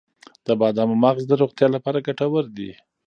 د بادامو مغز د روغتیا لپاره ګټور دی.